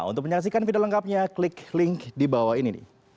untuk menyaksikan video lengkapnya klik link di bawah ini